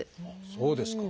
そうですか。